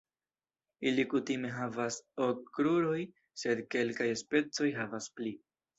Ili kutime havas ok kruroj, sed kelkaj specoj havas pli.